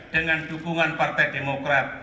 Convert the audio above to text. dengan dukungan partai demokrat